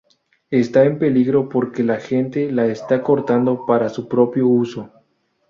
Está en peligro porque la gente la está cortando para su propio uso.